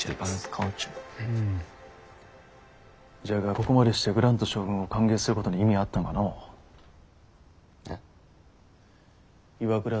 じゃがここまでしてグラント将軍を歓迎することに意味はあったんかのう。